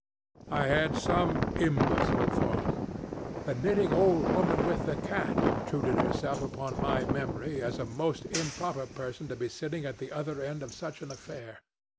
I had some imbecile thoughts. The knitting old woman with the cat obtruded herself upon my memory as a most improper person to be sitting at the other end of such an affair.